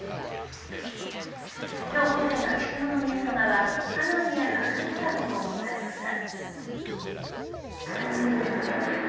今日午前、秋篠宮さまはハノイにある博物館を訪問されました。